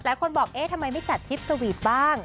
และคนบอกทำไมไม่จัดทริปสวีทบ้าง